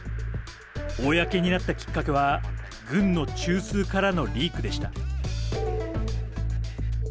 公になったきっかけは軍の中枢からのリークでした。